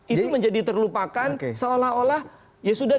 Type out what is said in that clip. itu menjadi terlupakan seolah olah ya sudah